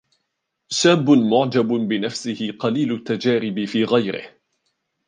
شَابٌّ مُعْجَبٌ بِنَفْسِهِ قَلِيلُ التَّجَارِبِ فِي غَيْرِهِ